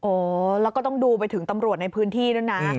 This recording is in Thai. โอ้โหแล้วก็ต้องดูไปถึงตำรวจในพื้นที่ด้วยนะ